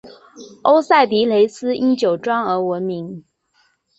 欧塞迪雷斯因酒庄而闻名。